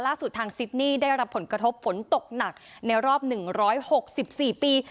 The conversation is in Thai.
ทางซิดนี่ได้รับผลกระทบฝนตกหนักในรอบ๑๖๔ปี